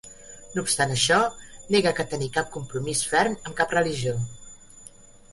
No obstant això, nega que tenir cap compromís ferm amb cap religió.